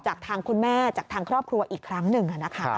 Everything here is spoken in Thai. จากทางคุณแม่จากทางครอบครัวอีกครั้งหนึ่ง